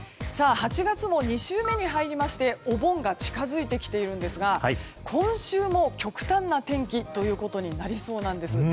８月も２週目に入りましてお盆が近づいてきているんですが今週も極端な天気ということになりそうなんです。